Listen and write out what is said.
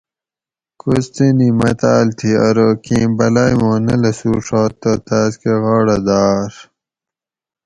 "کوستینی متاۤل تھی ارو ""کیں بلائ ما نہ لسوڛات تہ تاس کہ غاڑہ داۤ اۤر"""